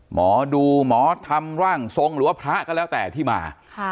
หมอดูหมอธรรมร่างทรงหรือว่าพระก็แล้วแต่ที่มา